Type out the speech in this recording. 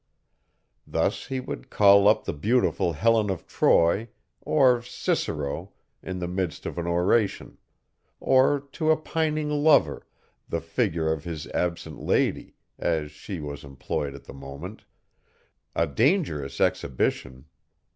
Thus he would call up the beautiful Helen of Troy, or Cicero in the midst of an oration; or to a pining lover, the figure of his absent lady, as she was employed at the moment a dangerous exhibition!